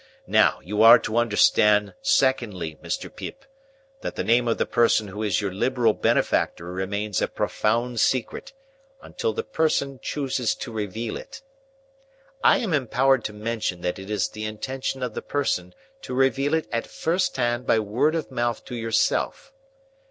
Now you are to understand, secondly, Mr. Pip, that the name of the person who is your liberal benefactor remains a profound secret, until the person chooses to reveal it. I am empowered to mention that it is the intention of the person to reveal it at first hand by word of mouth to yourself.